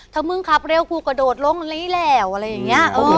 ถ้ามึงขับเร็วกูกระโดดลงลีแล้วอะไรอย่างนี้